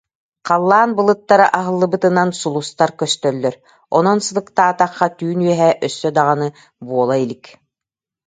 Халлаан былыттара аһыллыбытынан сулустар көстөллөр, онон сылыктаатахха, түүн үөһэ өссө даҕаны буола илик